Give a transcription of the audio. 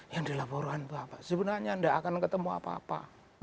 yang dilaporkan apa sebenarnya anda akan ketemu apa apa